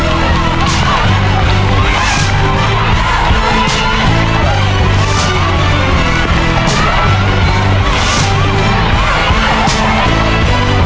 ทุกไปนะคะมันหอยไปหรือยังอ่ะเริ่ม